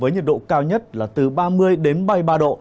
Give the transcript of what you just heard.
với nhiệt độ cao nhất là từ ba mươi ba mươi ba độ